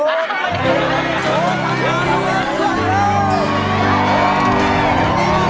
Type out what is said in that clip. โอ้โฮ